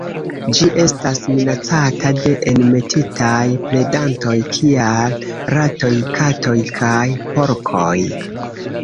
Ĝi estas minacata de enmetitaj predantoj kiaj ratoj, katoj kaj porkoj.